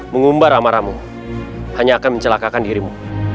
mengumbar amarahmu hanya akan mencelakakan dirimu